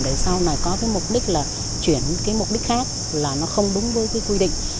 để sau này có mục đích là chuyển mục đích khác là nó không đúng với quy định